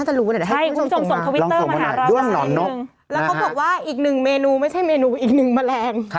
พี่แล้วเขาผบว่าอีกหนึ่งเนวไม่ใช้เมนูอีก๑เมแลง